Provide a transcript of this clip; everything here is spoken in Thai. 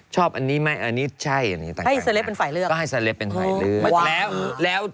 ชอบอันนี้ไหมอันนี้ใช่ต่างนะให้สเล็บเป็นฝ่ายเลือก